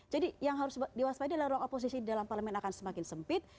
jadi yang harus diwaspada adalah ruang oposisi di dalam parlemen akan semakin sempit